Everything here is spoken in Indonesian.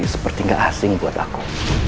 seperti gak asing buat aku